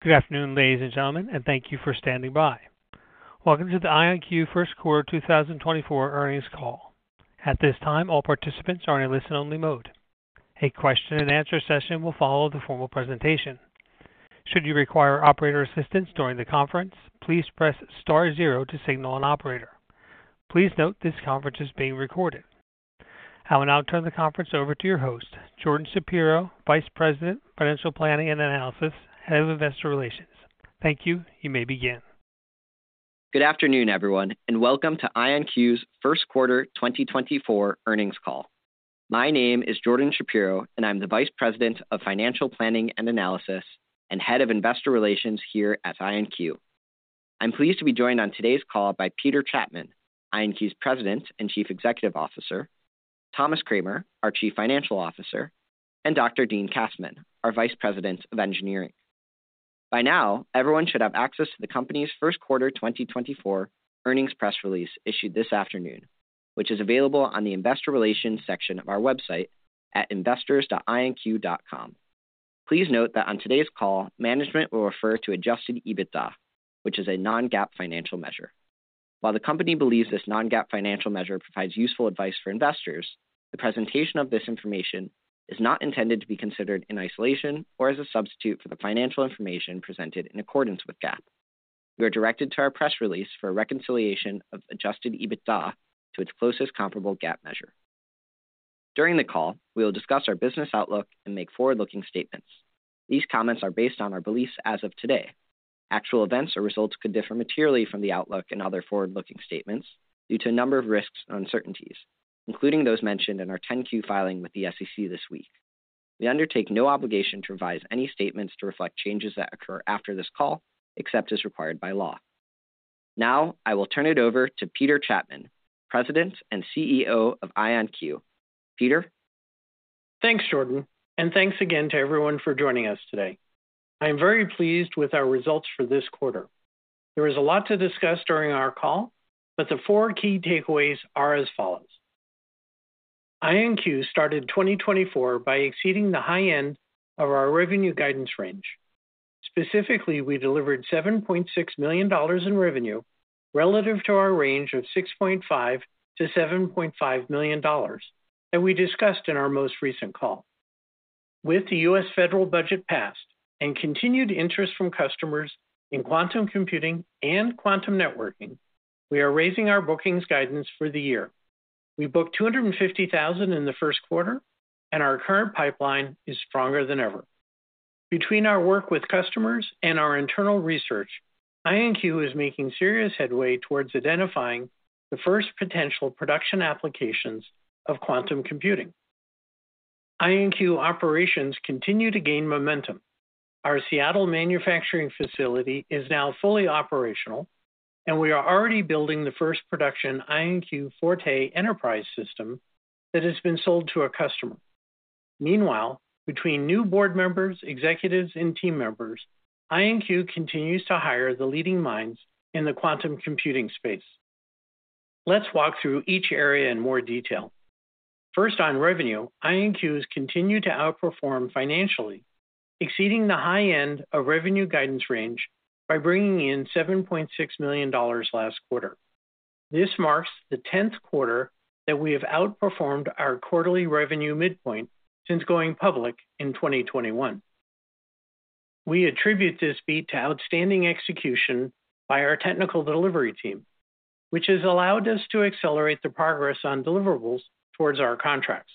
Good afternoon, ladies and gentlemen, and thank you for standing by. Welcome to the IonQ First Quarter 2024 Earnings Call. At this time, all participants are in a listen-only mode. A question and answer session will follow the formal presentation. Should you require operator assistance during the conference, please press star zero to signal an operator. Please note this conference is being recorded. I will now turn the conference over to your host, Jordan Shapiro, Vice President of Financial Planning and Analysis, Head of Investor Relations. Thank you. You may begin. Good afternoon, everyone, and welcome to IonQ's First Quarter 2024 Earnings Call. My name is Jordan Shapiro, and I'm the Vice President of Financial Planning and Analysis and Head of Investor Relations here at IonQ. I'm pleased to be joined on today's call by Peter Chapman, IonQ's President and Chief Executive Officer, Thomas Kramer, our Chief Financial Officer, and Dr. Dean Kassmann, our Vice President of Engineering. By now, everyone should have access to the company's First Quarter 2024 earnings press release issued this afternoon, which is available on the investor relations section of our website at investors.ionq.com. Please note that on today's call, management will refer to adjusted EBITDA, which is a non-GAAP financial measure. While the company believes this non-GAAP financial measure provides useful advice for investors, the presentation of this information is not intended to be considered in isolation or as a substitute for the financial information presented in accordance with GAAP. You are directed to our press release for a reconciliation of adjusted EBITDA to its closest comparable GAAP measure. During the call, we will discuss our business outlook and make forward-looking statements. These comments are based on our beliefs as of today. Actual events or results could differ materially from the outlook and other forward-looking statements due to a number of risks and uncertainties, including those mentioned in our 10-Q filing with the SEC this week. We undertake no obligation to revise any statements to reflect changes that occur after this call, except as required by law. Now, I will turn it over to Peter Chapman, President and CEO of IonQ. Peter? Thanks, Jordan, and thanks again to everyone for joining us today. I am very pleased with our results for this quarter. There is a lot to discuss during our call, but the four key takeaways are as follows: IonQ started 2024 by exceeding the high end of our revenue guidance range. Specifically, we delivered $7.6 million in revenue relative to our range of $6.5 million to $7.5 million that we discussed in our most recent call. With the U.S. federal budget passed and continued interest from customers in quantum computing and quantum networking, we are raising our bookings guidance for the year. We booked $250,000 in the first quarter, and our current pipeline is stronger than ever. Between our work with customers and our internal research, IonQ is making serious headway towards identifying the first potential production applications of quantum computing. IonQ operations continue to gain momentum. Our Seattle manufacturing facility is now fully operational, and we are already building the first production IonQ Forte Enterprise system that has been sold to a customer. Meanwhile, between new board members, executives, and team members, IonQ continues to hire the leading minds in the quantum computing space. Let's walk through each area in more detail. First, on revenue, IonQ's continued to outperform financially, exceeding the high end of revenue guidance range by bringing in $7.6 million last quarter. This marks the 10th quarter that we have outperformed our quarterly revenue midpoint since going public in 2021. We attribute this beat to outstanding execution by our technical delivery team, which has allowed us to accelerate the progress on deliverables towards our contracts.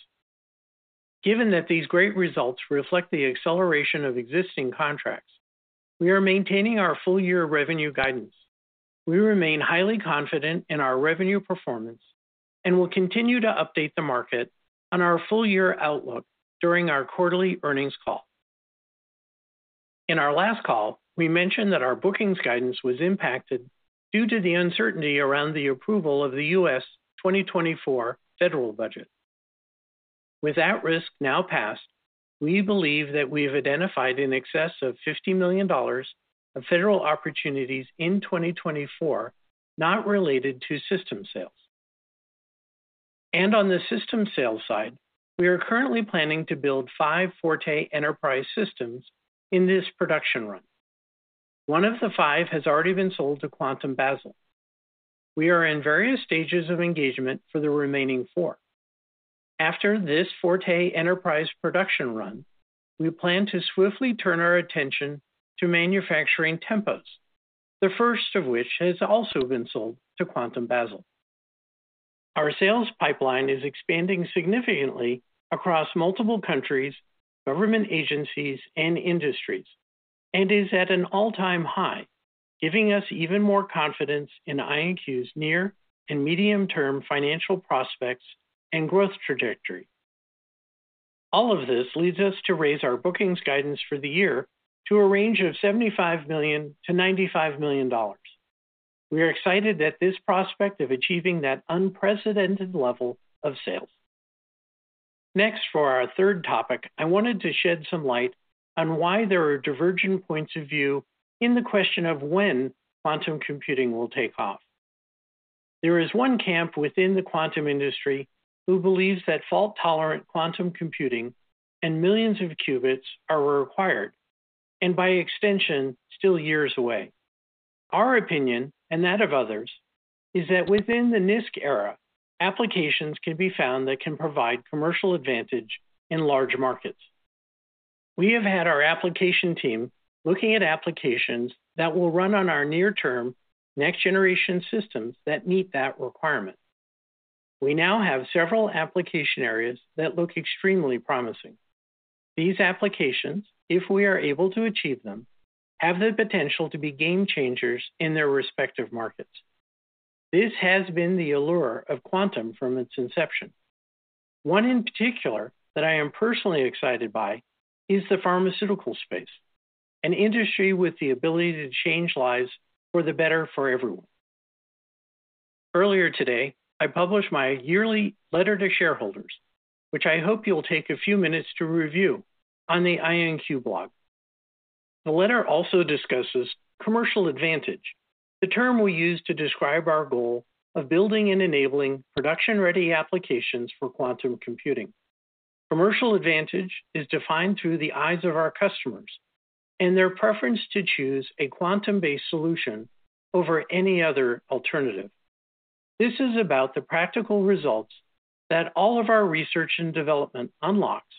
Given that these great results reflect the acceleration of existing contracts, we are maintaining our full-year revenue guidance. We remain highly confident in our revenue performance and will continue to update the market on our full-year outlook during our quarterly earnings call. In our last call, we mentioned that our bookings guidance was impacted due to the uncertainty around the approval of the U.S. 2024 federal budget. With that risk now passed, we believe that we have identified in excess of $50 million of federal opportunities in 2024, not related to system sales. On the system sales side, we are currently planning to build five Forte Enterprise systems in this production run. One of the five has already been sold to Quantum Basel. We are in various stages of engagement for the remaining four. After this Forte Enterprise production run, we plan to swiftly turn our attention to manufacturing Tempos, the first of which has also been sold to Quantum Basel. Our sales pipeline is expanding significantly across multiple countries, government agencies, and industries, and is at an all-time high, giving us even more confidence in IonQ's near and medium-term financial prospects and growth trajectory. All of this leads us to raise our bookings guidance for the year to a range of $75 million to $95 million. We are excited at this prospect of achieving that unprecedented level of sales. Next, for our third topic, I wanted to shed some light on why there are divergent points of view in the question of when quantum computing will take off. There is one camp within the quantum industry who believes that fault-tolerant quantum computing and millions of qubits are required, and by extension, still years away. Our opinion, and that of others, is that within the NISQ era, applications can be found that can provide commercial advantage in large markets. We have had our application team looking at applications that will run on our near-term, next-generation systems that meet that requirement. We now have several application areas that look extremely promising. These applications, if we are able to achieve them, have the potential to be game changers in their respective markets. This has been the allure of quantum from its inception. One in particular that I am personally excited by is the pharmaceutical space, an industry with the ability to change lives for the better for everyone. Earlier today, I published my yearly letter to shareholders, which I hope you'll take a few minutes to review on the IonQ blog. The letter also discusses Commercial Advantage, the term we use to describe our goal of building and enabling production-ready applications for quantum computing. Commercial Advantage is defined through the eyes of our customers and their preference to choose a quantum-based solution over any other alternative. This is about the practical results that all of our research and development unlocks,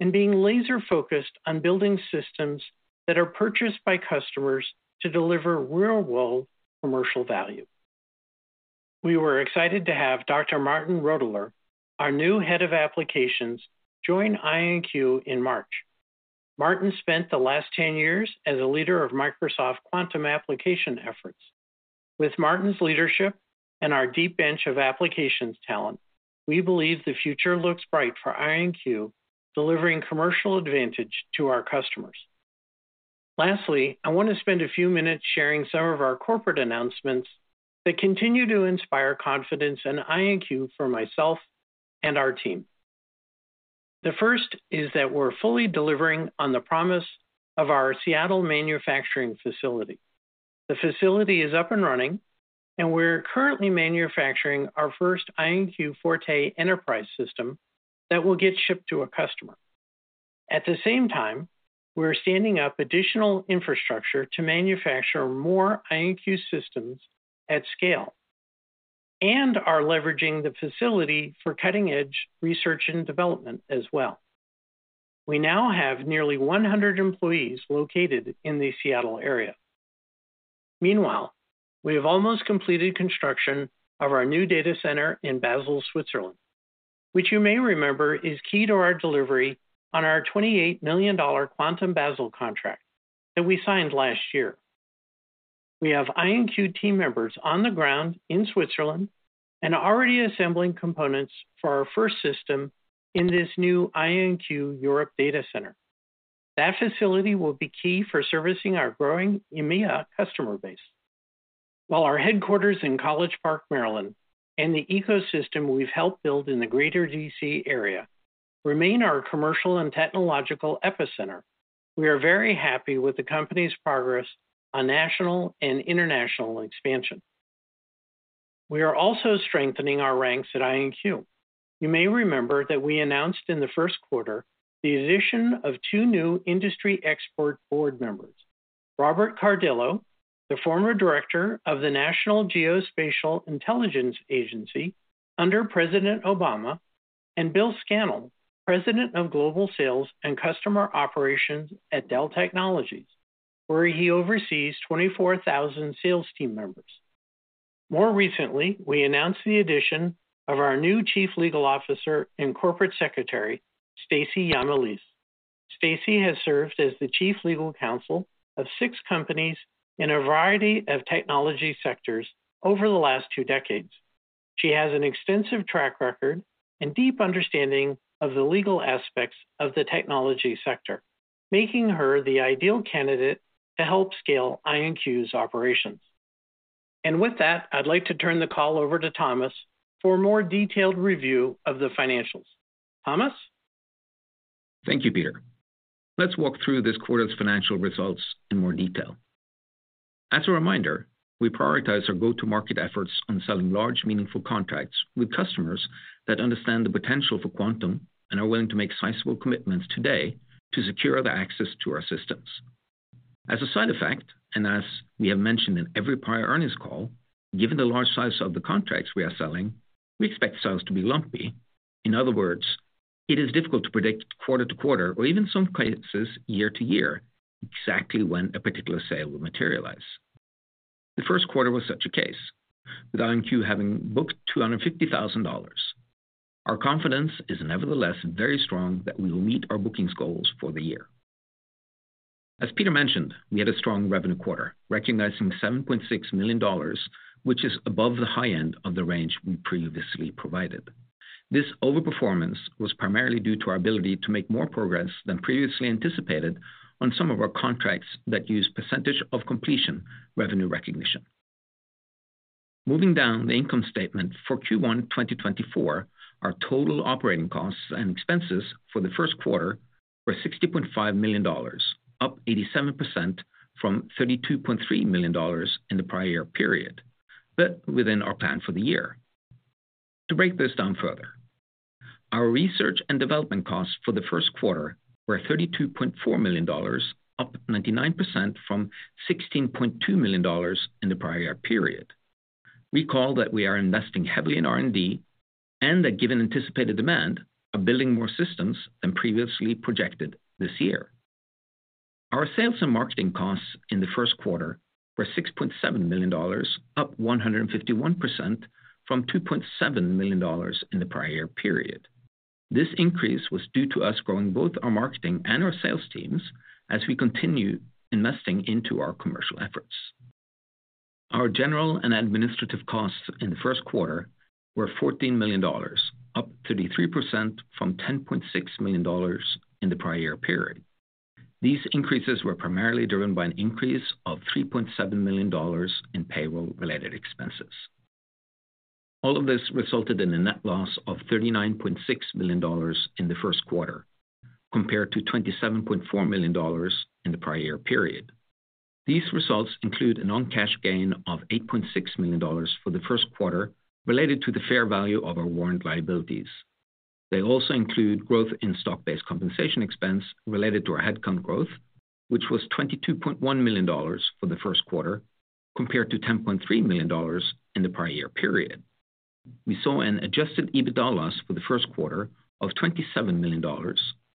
and being laser-focused on building systems that are purchased by customers to deliver real-world commercial value. We were excited to have Dr. Martin Roetteler, our new head of applications, join IonQ in March. Martin spent the last 10 years as a leader of Microsoft quantum application efforts. With Martin's leadership and our deep bench of applications talent, we believe the future looks bright for IonQ, delivering Commercial Advantage to our customers. Lastly, I want to spend a few minutes sharing some of our corporate announcements that continue to inspire confidence in IonQ for myself and our team. The first is that we're fully delivering on the promise of our Seattle manufacturing facility. The facility is up and running, and we're currently manufacturing our first IonQ Forte Enterprise system that will get shipped to a customer. At the same time, we're standing up additional infrastructure to manufacture more IonQ systems at scale and are leveraging the facility for cutting-edge research and development as well. We now have nearly 100 employees located in the Seattle area. Meanwhile, we have almost completed construction of our new data center in Basel, Switzerland, which you may remember is key to our delivery on our $28 million Quantum Basel contract that we signed last year. We have IonQ team members on the ground in Switzerland and are already assembling components for our first system in this new IonQ Europe data center. That facility will be key for servicing our growing EMEA customer base. While our headquarters in College Park, Maryland, and the ecosystem we've helped build in the greater D.C. area remain our commercial and technological epicenter, we are very happy with the company's progress on national and international expansion. We are also strengthening our ranks at IonQ. You may remember that we announced in the first quarter the addition of two new industry expert board members, Robert Cardillo, the former director of the National Geospatial-Intelligence Agency under President Obama, and Bill Scannell, President of Global Sales and Customer Operations at Dell Technologies, where he oversees 24,000 sales team members. More recently, we announced the addition of our new Chief Legal Officer and Corporate Secretary, Stacey Giamalis. Stacey has served as the chief legal counsel of six companies in a variety of technology sectors over the last two decades. She has an extensive track record and deep understanding of the legal aspects of the technology sector, making her the ideal candidate to help scale IonQ's operations. And with that, I'd like to turn the call over to Thomas for a more detailed review of the financials. Thomas? Thank you, Peter. Let's walk through this quarter's financial results in more detail. As a reminder, we prioritize our go-to-market efforts on selling large, meaningful contracts with customers that understand the potential for quantum and are willing to make sizable commitments today to secure the access to our systems. As a side effect, and as we have mentioned in every prior earnings call, given the large size of the contracts we are selling, we expect sales to be lumpy. In other words, it is difficult to predict quarter to quarter or even some cases, year to year, exactly when a particular sale will materialize. The first quarter was such a case, with IonQ having booked $250,000. Our confidence is nevertheless very strong that we will meet our bookings goals for the year. As Peter mentioned, we had a strong revenue quarter, recognizing $7.6 million, which is above the high end of the range we previously provided. This overperformance was primarily due to our ability to make more progress than previously anticipated on some of our contracts that use percentage-of-completion revenue recognition. Moving down the income statement for Q1 2024, our total operating costs and expenses for the first quarter were $60.5 million, up 87% from $32.3 million in the prior period, but within our plan for the year. To break this down further, our research and development costs for the first quarter were $32.4 million, up 99% from $16.2 million in the prior period. Recall that we are investing heavily in R&D and that given anticipated demand, are building more systems than previously projected this year. Our sales and marketing costs in the first quarter were $6.7 million, up 151% from $2.7 million in the prior period. This increase was due to us growing both our marketing and our sales teams as we continue investing into our commercial efforts. Our general and administrative costs in the first quarter were $14 million, up 33% from $10.6 million in the prior period. These increases were primarily driven by an increase of $3.7 million in payroll-related expenses. All of this resulted in a net loss of $39.6 million in the first quarter, compared to $27.4 million in the prior year period. These results include a non-cash gain of $8.6 million for the first quarter related to the fair value of our warrant liabilities. They also include growth in stock-based compensation expense related to our headcount growth, which was $22.1 million for the first quarter, compared to $10.3 million in the prior year period. We saw an adjusted EBITDA loss for the first quarter of $27 million,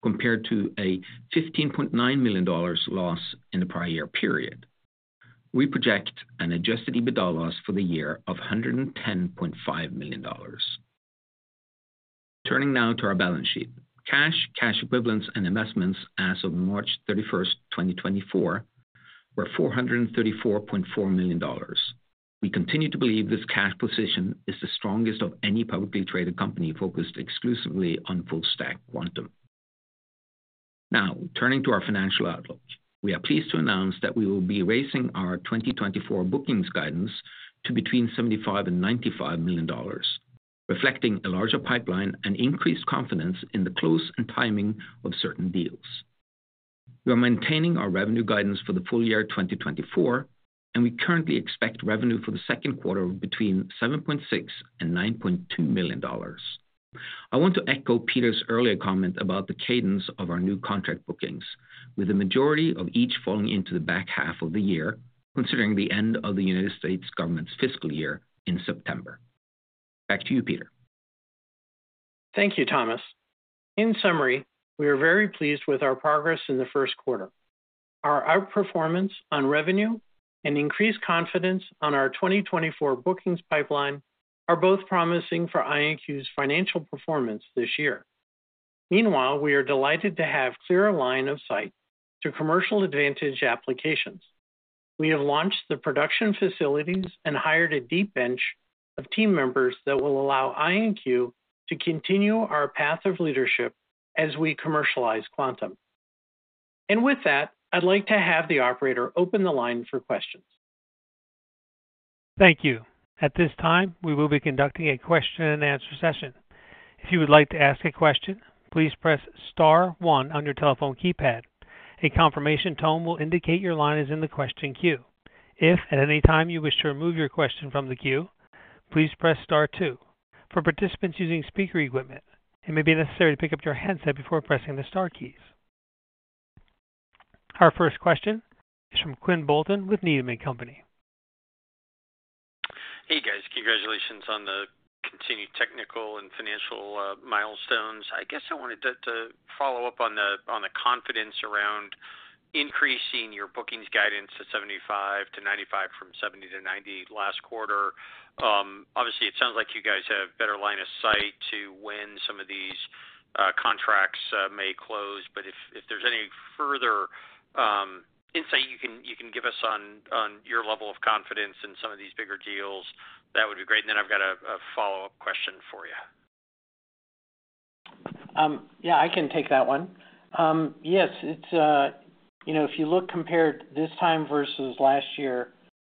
compared to a $15.9 million loss in the prior year period. We project an adjusted EBITDA loss for the year of $110.5 million. Turning now to our balance sheet. Cash, cash equivalents, and investments as of March 31st, 2024, were $434.4 million. We continue to believe this cash position is the strongest of any publicly traded company focused exclusively on full-stack quantum. Now, turning to our financial outlook. We are pleased to announce that we will be raising our 2024 bookings guidance to between $75 million and $95 million, reflecting a larger pipeline and increased confidence in the close and timing of certain deals. We are maintaining our revenue guidance for the full year 2024, and we currently expect revenue for the second quarter of between $7.6 million and $9.2 million. I want to echo Peter's earlier comment about the cadence of our new contract bookings, with the majority of each falling into the back half of the year, considering the end of the United States government's fiscal year in September. Back to you, Peter. Thank you, Thomas. In summary, we are very pleased with our progress in the first quarter. Our outperformance on revenue and increased confidence on our 2024 bookings pipeline are both promising for IonQ's financial performance this year. Meanwhile, we are delighted to have clearer line of sight to commercial advantage applications. We have launched the production facilities and hired a deep bench of team members that will allow IonQ to continue our path of leadership as we commercialize quantum. With that, I'd like to have the operator open the line for questions. Thank you. At this time, we will be conducting a question-and-answer session. If you would like to ask a question, please press star one on your telephone keypad. A confirmation tone will indicate your line is in the question queue. If at any time you wish to remove your question from the queue, please press star two. For participants using speaker equipment, it may be necessary to pick up your handset before pressing the star keys. Our first question is from Quinn Bolton with Needham & Company. Hey, guys. Congratulations on the continued technical and financial milestones. I guess I wanted to follow up on the confidence around increasing your bookings guidance to 75 to 95 from 70 to 90 last quarter. Obviously, it sounds like you guys have better line of sight to when some of these contracts may close, but if there's any further insight you can give us on your level of confidence in some of these bigger deals, that would be great. And then I've got a follow-up question for you. Yeah, I can take that one. Yes, it's, you know, if you look compared this time versus last year.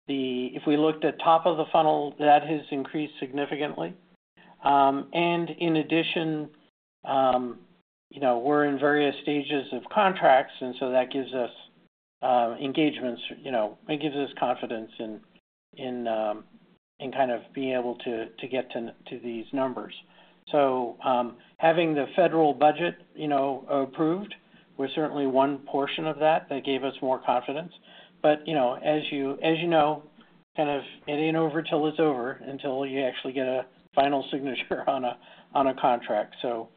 If we looked at top of the funnel, that has increased significantly. And in addition, you know, we're in various stages of contracts, and so that gives us engagements. You know, it gives us confidence in kind of being able to get to these numbers. So, having the federal budget, you know, approved, was certainly one portion of that that gave us more confidence. But, you know, as you know, kind of it ain't over until it's over, until you actually get a final signature on a contract. So,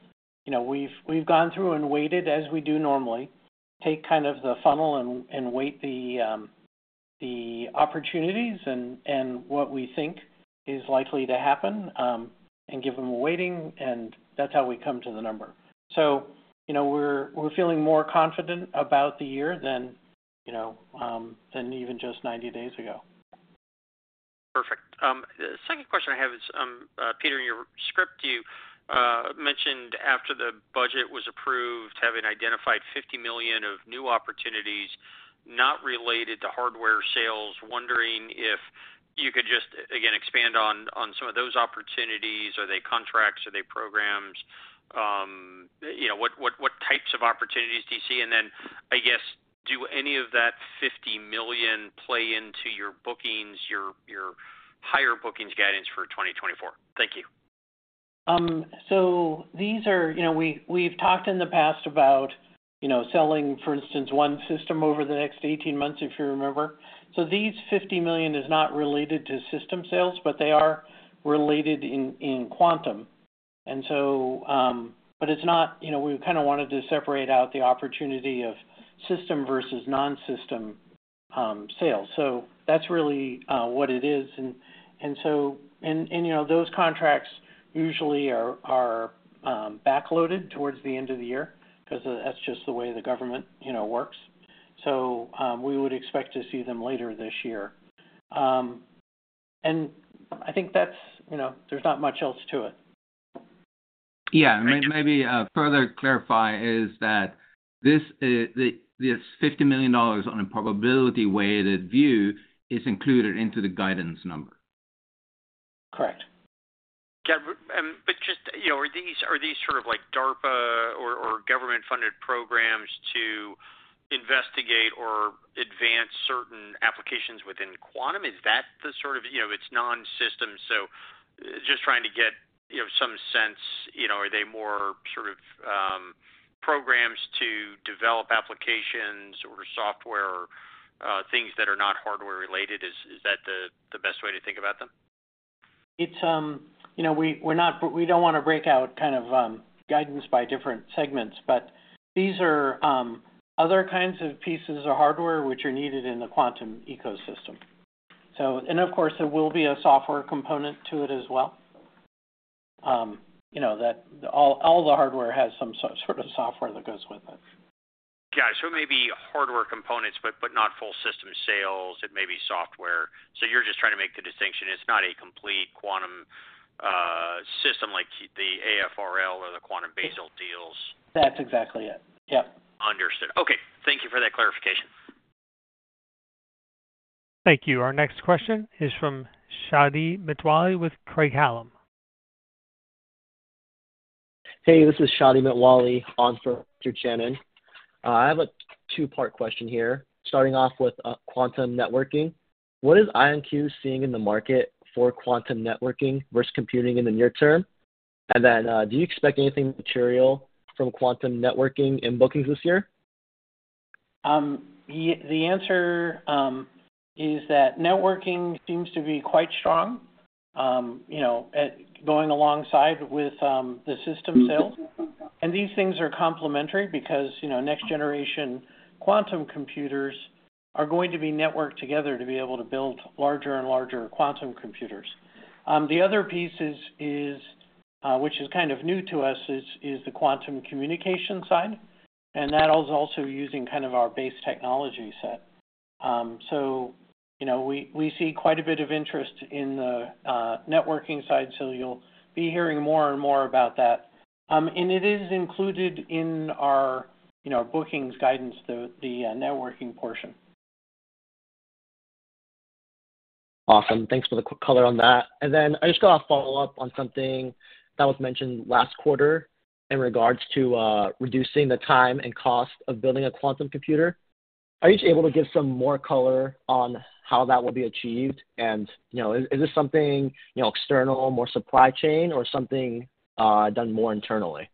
you know, we've gone through and weighted, as we do normally, take kind of the funnel and weight the opportunities and what we think is likely to happen, and give them a weighting, and that's how we come to the number. So, you know, we're feeling more confident about the year than, you know, than even just 90 days ago. Perfect. The second question I have is, Peter, in your script, you mentioned after the budget was approved, having identified $50 million of new opportunities not related to hardware sales. Wondering if you could just, again, expand on some of those opportunities. Are they contracts? Are they programs? You know, what, what, what types of opportunities do you see? And then, do any of that $50 million play into your bookings, your, your higher bookings guidance for 2024? Thank you. So these are, you know, we've talked in the past about, you know, selling, for instance, one system over the next 18 months, if you remember. So these $50 million is not related to system sales, but they are related in quantum. And so, but it's not, you know, we kind of wanted to separate out the opportunity of system versus non-system sales. So that's really what it is. And so, you know, those contracts usually are back-loaded towards the end of the year because that's just the way the government, you know, works. So we would expect to see them later this year. And I think that's, you know, there's not much else to it. Thank you. Yeah. Maybe further clarify is that this $50 million on a probability weighted view is included into the guidance number. Correct. But just, you know, are these sort of like DARPA or, or government-funded programs to investigate or advance certain applications within quantum? Is that the sort of, you know, it's non-system, so just trying to get, you know, some sense, you know, are they more sort of programs to develop applications or software or things that are not hardware-related? Is, is that the best way to think about them? It's, you know, we don't want to break out kind of guidance by different segments, but these are other kinds of pieces of hardware which are needed in the quantum ecosystem. So... And of course, there will be a software component to it as well. You know, that all the hardware has some sort of software that goes with it. Yeah. So it may be hardware components, but not full system sales. It may be software. So you're just trying to make the distinction. It's not a complete quantum system like the AFRL or the Quantum Basel deals. That's exactly it. Yep. Understood. Okay, thank you for that clarification. Thank you. Our next question is from Shadi Mitwalli with Craig-Hallum. Hey, this is Shadi Mitwalli on for Shannon. I have a two-part question here, starting off with quantum networking. What is IonQ seeing in the market for quantum networking versus computing in the near term? And then, do you expect anything material from quantum networking in bookings this year? The answer is that networking seems to be quite strong, you know, at going alongside with the system sales. And these things are complementary because, you know, next-generation quantum computers are going to be networked together to be able to build larger and larger quantum computers. The other piece, which is kind of new to us, is the quantum communication side, and that is also using kind of our base technology set. So, you know, we see quite a bit of interest in the networking side, so you'll be hearing more and more about that. And it is included in our, you know, bookings guidance, the networking portion. Awesome. Thanks for the quick color on that. And then I just got a follow-up on something that was mentioned last quarter in regards to reducing the time and cost of building a quantum computer. Are you able to give some more color on how that will be achieved? And, you know, is this something, you know, external, more supply chain or something done more internally?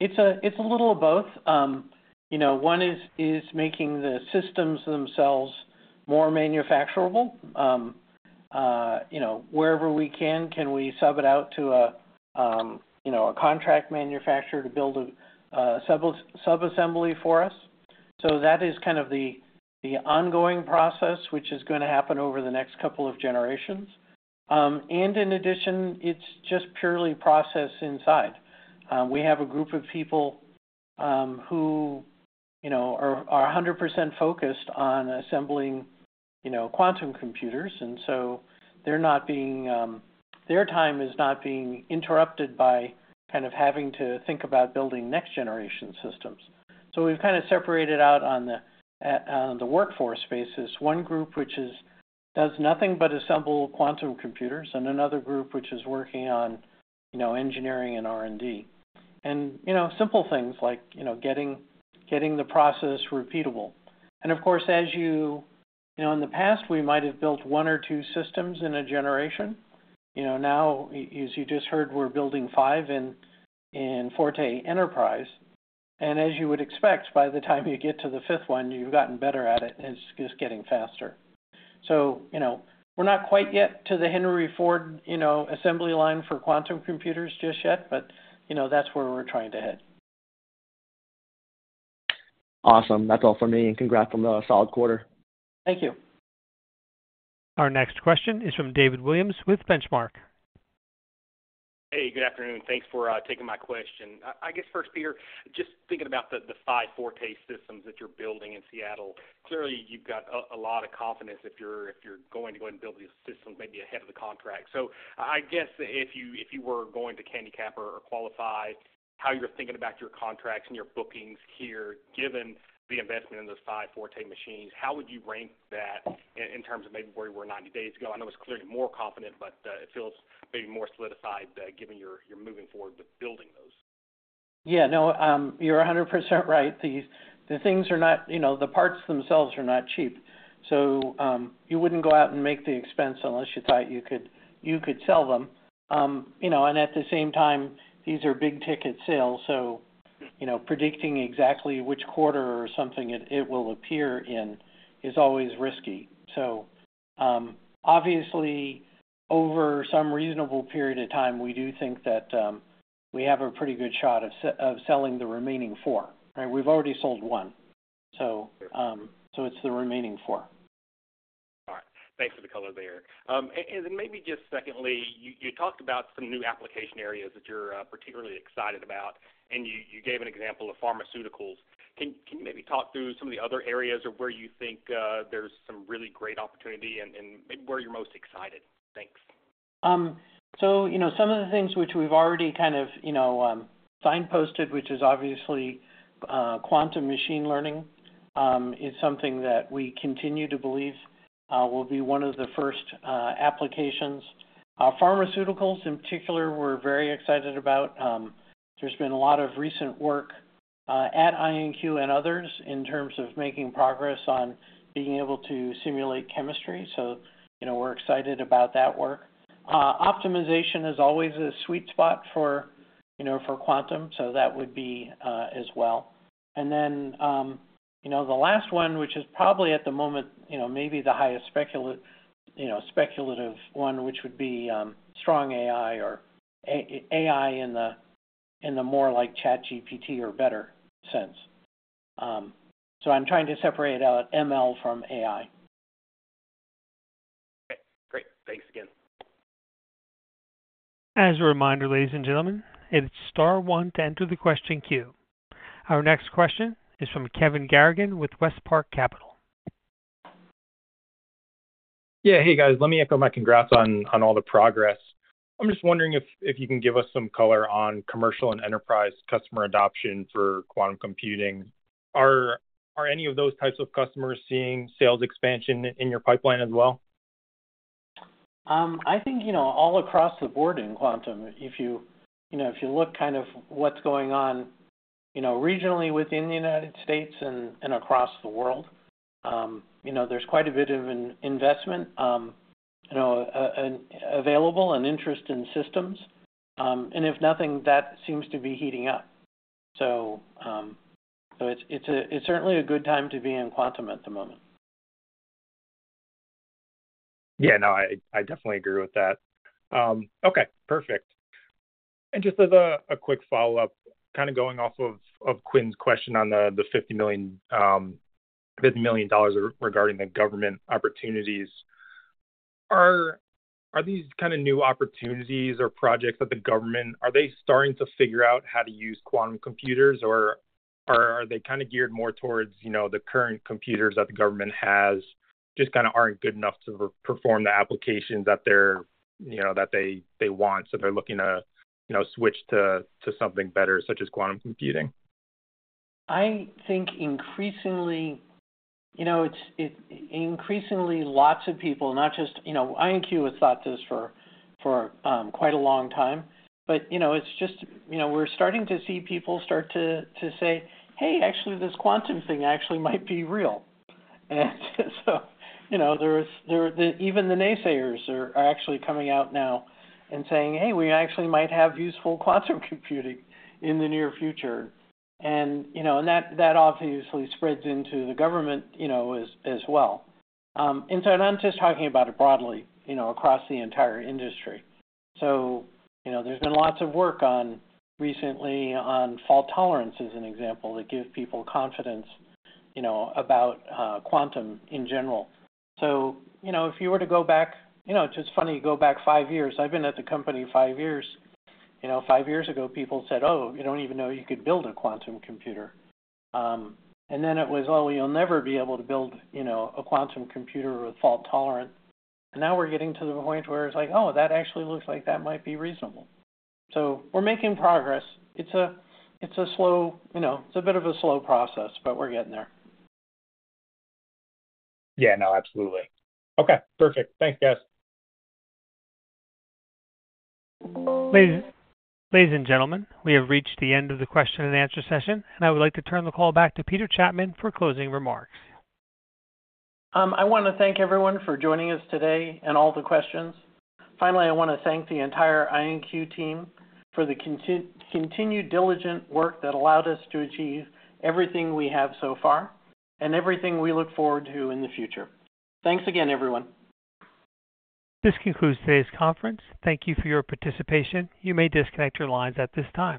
It's a little of both. You know, one is making the systems themselves more manufacturable. You know, wherever we can, can we sub it out to a contract manufacturer to build a sub-assembly for us? So that is kind of the ongoing process, which is going to happen over the next couple of generations. And in addition, it's just purely process inside. We have a group of people who, you know, are 100% focused on assembling quantum computers, and so they're not being, their time is not being interrupted by kind of having to think about building next-generation systems. So we've kind of separated out on the workforce basis, one group which does nothing but assemble quantum computers, and another group which is working on, you know, engineering and R&D. And, you know, simple things like, you know, getting the process repeatable. And of course, as you know, in the past, we might have built one or two systems in a generation. You know, now, as you just heard, we're building five in Forte Enterprise. And as you would expect, by the time you get to the fifth one, you've gotten better at it, and it's just getting faster. So, you know, we're not quite yet to the Henry Ford, you know, assembly line for quantum computers just yet, but, you know, that's where we're trying to head. Awesome. That's all for me, and congrats on the solid quarter. Thank you. Our next question is from David Williams with Benchmark. Hey, good afternoon. Thanks for taking my question. First, Peter, just thinking about the five Forte systems that you're building in Seattle, clearly you've got a lot of confidence if you're going to go and build these systems maybe ahead of the contract. So if you were going to handicap or qualify how you're thinking about your contracts and your bookings here, given the investment in those five Forte machines, how would you rank that in terms of maybe where you were 90 days ago? I know it's clearly more confident, but it feels maybe more solidified, given you're moving forward with building those. Yeah, no, you're 100% right. The things are not, you know, the parts themselves are not cheap, so you wouldn't go out and make the expense unless you thought you could sell them. You know, and at the same time, these are big-ticket sales, so, you know, predicting exactly which quarter or something it will appear in is always risky. So, obviously, over some reasonable period of time, we do think that we have a pretty good shot of selling the remaining four, right? We've already sold one. So it's the remaining four. All right. Thanks for the color there. And maybe just secondly, you talked about some new application areas that you're particularly excited about, and you gave an example of pharmaceuticals. Can you maybe talk through some of the other areas where you think there's some really great opportunity and maybe where you're most excited? Thanks. So, you know, some of the things which we've already kind of, you know, signposted, which is obviously, quantum machine learning, is something that we continue to believe, will be one of the first, applications. Pharmaceuticals, in particular, we're very excited about. There's been a lot of recent work, at IonQ and others in terms of making progress on being able to simulate chemistry, so, you know, we're excited about that work. Optimization is always a sweet spot for, you know, for quantum, so that would be, as well. And then, you know, the last one, which is probably at the moment, you know, maybe the highest speculative one, which would be, strong AI or AI in the more like ChatGPT or better sense. So I'm trying to separate out ML from AI. Okay, great. Thanks again. As a reminder, ladies and gentlemen, it's star one to enter the question queue. Our next question is from Kevin Garrigan with WestPark Capital. Yeah. Hey, guys, let me echo my congrats on, on all the progress. I'm just wondering if, if you can give us some color on commercial and enterprise customer adoption for quantum computing. Are any of those types of customers seeing sales expansion in your pipeline as well? I think, you know, all across the board in quantum, if you, you know, if you look kind of what's going on, you know, regionally within the United States and across the world, you know, there's quite a bit of investment, you know, available and interest in systems. And if nothing, that seems to be heating up. So, it's certainly a good time to be in quantum at the moment. Yeah, no, I definitely agree with that. Okay, perfect. And just as a quick follow-up, kinda going off of Quinn's question on the $50 million regarding the government opportunities: are these kinda new opportunities or projects that the government, are they starting to figure out how to use quantum computers, or are they kind of geared more towards, you know, the current computers that the government has, just kinda aren't good enough to perform the applications that they're, you know, that they want, so they're looking to, you know, switch to something better, such as quantum computing? I think increasingly, you know, it's increasingly, lots of people, not just, you know, IonQ has thought this for quite a long time. But, you know, it's just, you know, we're starting to see people start to say, "Hey, actually, this quantum thing actually might be real." And so, you know, there is even the naysayers are actually coming out now and saying, "Hey, we actually might have useful quantum computing in the near future." And, you know, and that obviously spreads into the government, you know, as well. And so I'm just talking about it broadly, you know, across the entire industry. So, you know, there's been lots of work recently on fault tolerance, as an example, that give people confidence, you know, about quantum in general. So, you know, if you were to go back, you know, it's just funny, you go back five years, I've been at the company five years. You know, five years ago, people said, "Oh, you don't even know you could build a quantum computer." And then it was, "Oh, you'll never be able to build, you know, a quantum computer with fault tolerance." And now we're getting to the point where it's like, "Oh, that actually looks like that might be reasonable." So we're making progress. It's a, it's a slow, you know, it's a bit of a slow process, but we're getting there. Yeah. No, absolutely. Okay, perfect. Thanks, guys. Ladies, ladies and gentlemen, we have reached the end of the question and answer session, and I would like to turn the call back to Peter Chapman for closing remarks. I want to thank everyone for joining us today and all the questions. Finally, I want to thank the entire IonQ team for the continued diligent work that allowed us to achieve everything we have so far and everything we look forward to in the future. Thanks again, everyone. This concludes today's conference. Thank you for your participation. You may disconnect your lines at this time.